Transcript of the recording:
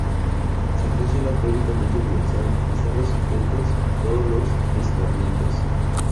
Su alcance era teóricamente universal, estando sujetos todos los estamentos.